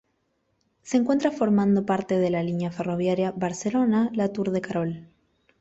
Se encuentra formando parte de la línea ferroviaria Barcelona-Latour-de-Carol.